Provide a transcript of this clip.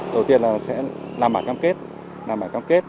đầu tiên là sẽ làm bản cam kết